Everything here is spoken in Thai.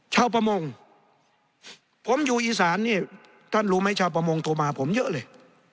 ชาวประมงผมอยู่อีสานนี่ท่านรู้ไหมชาวประมงโทรมาผมเยอะเลย